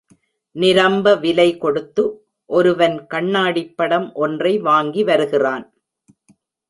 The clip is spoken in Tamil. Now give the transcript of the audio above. நிரம்ப விலை கொடுத்து ஒருவன் கண்ணாடிப் படம் ஒன்றை வாங்கி வருகிறான்.